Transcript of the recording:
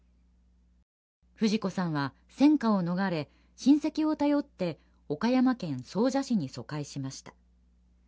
フジコさんは戦火を逃れ親戚を頼って岡山県総社市に疎開しました